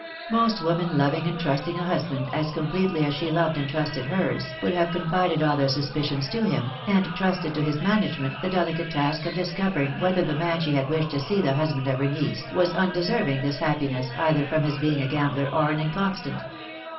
Most women loving and trusting a hus band, as completely as she loved and trusted hers, would have confided all their suspicions to him, and trusted to his manage ment the delicate task of discovering whether the man she had wished to see thehusband of her niece was undeserving thishappi ness, either from his being a gambler, or an inconstant.